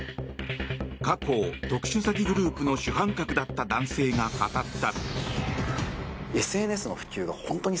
過去、特殊詐欺グループの主犯格だった男性が語った。